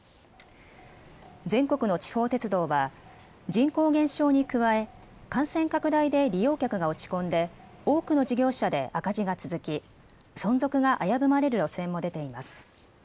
全国の地方鉄道は人口減少に加え感染拡大で利用客が落ち込んで多くの事業者で赤字が続き存続が危ぶまれる路線も出ています。